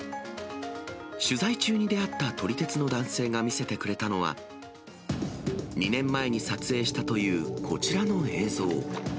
取材中に出会った撮り鉄の男性が見せてくれたのは、２年前に撮影したというこちらの映像。